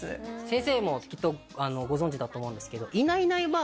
先生もきっとご存じだと思うんですけど。